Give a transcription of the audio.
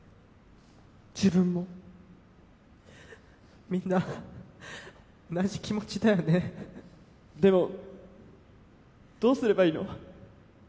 自分もみんな同じ気持ちだよねでもどうすればいいの？